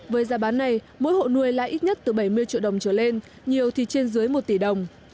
với giá bán này mỗi hộ nuôi lãi ít nhất từ bảy mươi triệu đồng trở lên nhiều thì trên dưới một tỷ đồng